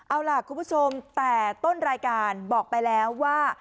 เอาล่ะคุณผู้ชมแต่ต้นรายการบอกไปแล้วว่า